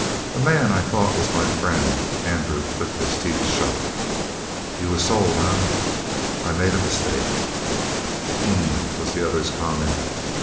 "A man I thought was my friend " Andrew clicked his teeth shut. "You was sold, eh?" "I made a mistake." "H'm," was the other's comment.